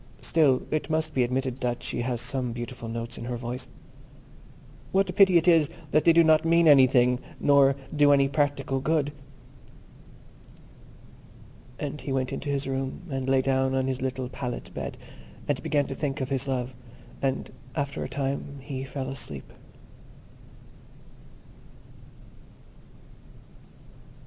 Still, it must be admitted that she has some beautiful notes in her voice. What a pity it is that they do not mean anything, or do any practical good." And he went into his room, and lay down on his little pallet bed, and began to think of his love; and, after a time, he fell asleep.